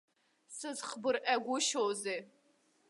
Сзыхбырҟьагәышьозеи?